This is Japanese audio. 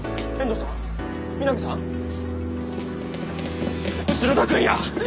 後田君や！